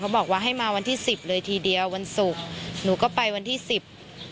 บอกว่าให้มาวันที่สิบเลยทีเดียววันศุกร์หนูก็ไปวันที่สิบ